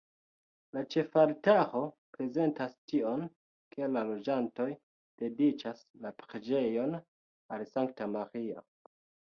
La ĉefaltaro prezentas tion, ke la loĝantoj dediĉas la preĝejon al Sankta Maria.